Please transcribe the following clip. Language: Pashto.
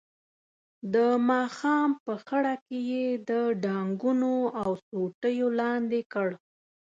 د ماښام په خړه کې یې د ډانګونو او سوټیو لاندې کړ.